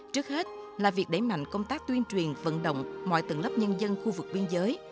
trước hết là việc đẩy mạnh công tác tuyên truyền vận động mọi tầng lớp nhân dân khu vực biên giới